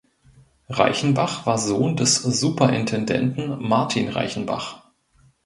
Reichenbach war Sohn des Superintendenten Martin Reichenbach.